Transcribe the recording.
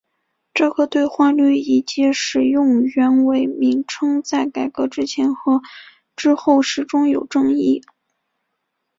这个兑换率以及使用元为名称在改革之前和之后始终有争议。